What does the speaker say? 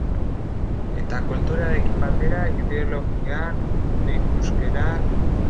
Eta kulturekin batera ideologiak, mundu ikuskerak...